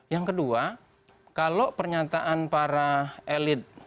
yang kedua kalau pernyataan para elit